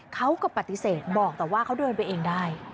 เขาก็ปฏิเสธบอกแต่ว่าเขาเดินไปเองได้